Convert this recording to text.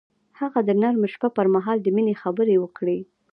هغه د نرم شپه پر مهال د مینې خبرې وکړې.